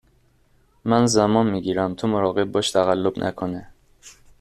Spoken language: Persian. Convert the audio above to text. من زمان میگیرم تو مراقب باش تقلب نکنه